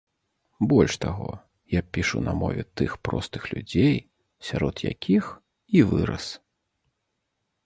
Больш таго, я пішу на мове тых простых людзей, сярод якіх і вырас.